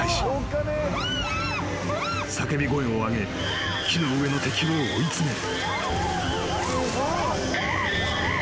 ［叫び声を上げ木の上の敵を追い詰める］